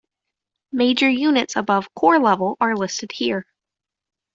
Major units above corps level are listed here.